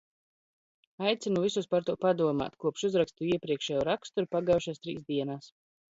Aicinu visus par to padomāt. Kopš uzrakstīju iepriekšējo rakstu ir pagājušas trīs dienas.